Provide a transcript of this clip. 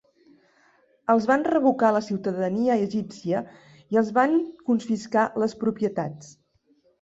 Els van revocar la ciutadania egípcia i els van confiscar les propietats.